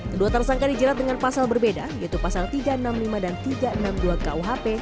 kedua tersangka dijerat dengan pasal berbeda yaitu pasal tiga ratus enam puluh lima dan tiga ratus enam puluh dua kuhp